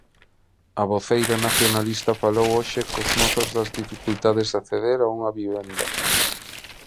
A voceira nacionalista falou hoxe con mozos das dificultades de acceder a unha vivenda.